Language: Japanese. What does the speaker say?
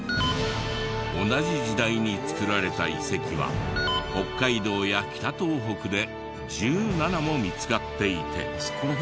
同じ時代に造られた遺跡は北海道や北東北で１７も見つかっていて。